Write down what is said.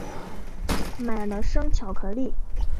买了生巧克力